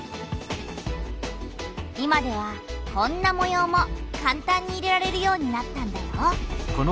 今ではこんなもようもかんたんに入れられるようになったんだよ。